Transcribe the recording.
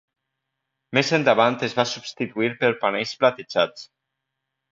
Més endavant es va substituir per panells platejats.